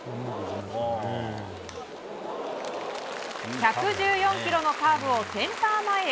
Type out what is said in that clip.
１１４キロのカーブをセンター前へ。